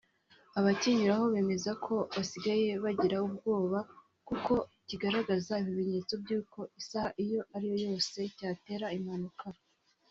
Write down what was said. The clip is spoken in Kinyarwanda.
Abakinyuraho bemeza ko basigaye bagira ubwoba kuko kigaragaza ibimenyetso by’uko isaha iyo ari yo yose cyatera impanuka